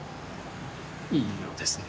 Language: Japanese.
いい色ですね。